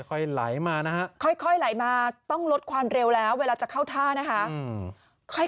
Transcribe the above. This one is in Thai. ค่อยไหลมานะฮะค่อยไหลมาต้องลดความเร็วแล้วเวลาจะเข้าท่านะคะ